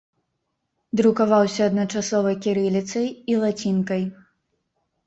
Друкаваўся адначасова кірыліцай і лацінкай.